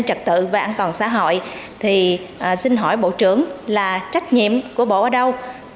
trật tự và an toàn xã hội thì xin hỏi bộ trưởng là trách nhiệm của bộ ở đâu